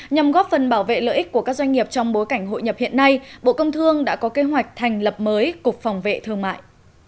nhằm góp phần bảo vệ lợi ích của các doanh nghiệp trong bối cảnh hội nhập hiện nay bộ công thương đã có kế hoạch thành lập mới cục phòng vệ thương mại